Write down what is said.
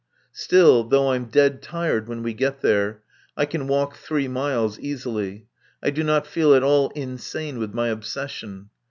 Still, though I'm dead tired when we get there, I can walk three miles easily. I do not feel at all insane with my obsession.